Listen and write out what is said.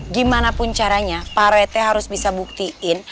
gimanapun caranya pak rete harus bisa buktiin